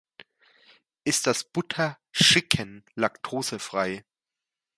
Ist das Butterchicken laktosefrei?